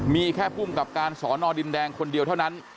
มีแค่ภูมิกับการสอนอดินแดงคนเดียวเท่านั้น